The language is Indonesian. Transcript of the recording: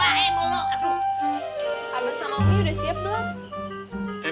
abang sama umi udah siap belum